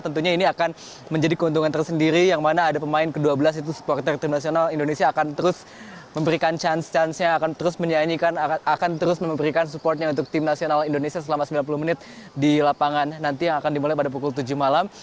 tentunya ini akan menjadi keuntungan tersendiri yang mana ada pemain ke dua belas itu supporter timnasional indonesia akan terus memberikan chance chancenya akan terus menyanyikan akan terus memberikan supportnya untuk timnasional indonesia selama sembilan bulan